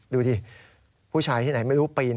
ดูดิผู้ชายที่ไหนไม่รู้ปีน